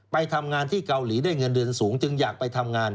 ไปทำงานที่เกาหลีได้เงินเดือนสูงจึงอยากไปทำงาน